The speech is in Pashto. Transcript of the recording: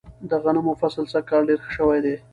د غنمو فصل سږ کال ډیر ښه شوی دی.